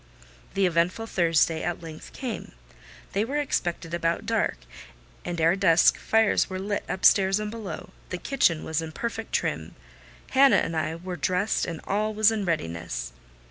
The eventful Thursday at length came. They were expected about dark, and ere dusk fires were lit upstairs and below; the kitchen was in perfect trim; Hannah and I were dressed, and all was in readiness.